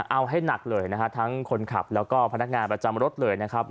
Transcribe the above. เอาให้หนักเลยนะฮะทั้งคนขับแล้วก็พนักงานประจำรถเลยนะครับ